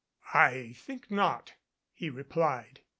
"I think not," he replied.